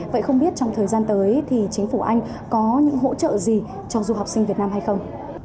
vậy không biết trong thời gian tới thì chính phủ anh có những hỗ trợ gì cho du học sinh việt nam hay không